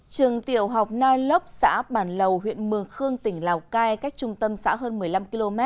trường tiểu học noi lốc xã bản lầu huyện mường khương tỉnh lào cai cách trung tâm xã hơn một mươi năm km